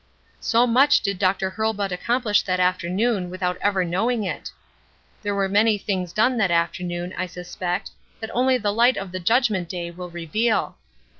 So much did Dr. Hurlbut accomplish that afternoon without ever knowing it. There were many things done that afternoon, I suspect, that only the light of the judgement day will reveal.